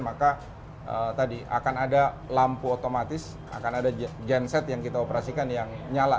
maka tadi akan ada lampu otomatis akan ada genset yang kita operasikan yang nyala